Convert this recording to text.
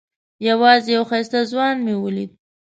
یوازې یو ښایسته ځوان مې ولید.